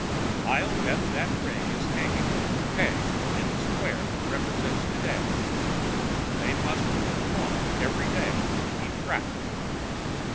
"I'll bet that ring is hanging from the peg in the square that represents today. They must move it along every day, to keep track...."